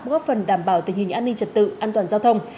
góp phần đảm bảo tình hình an ninh trật tự an toàn giao thông